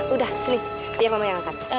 udah sini biar mama yang angkat